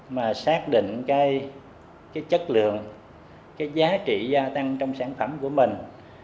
mà xác định chất lượng giá trị gia tăng trong sản phẩm của mình